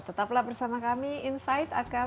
tetaplah bersama kami insight akan